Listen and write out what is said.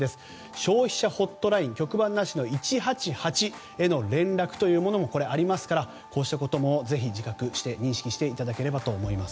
消費者ホットライン局番なしの１８８への連絡というものもありますからこうしたことも自覚して認識していただければと思います。